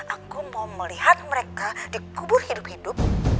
aku mau melihat mereka dikubur hidup hidup